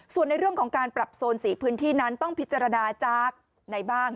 ส่วนในเรื่องของการปรับโซน๔พื้นที่นั้นต้องพิจารณาจากไหนบ้าง